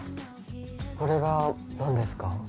これは何ですか？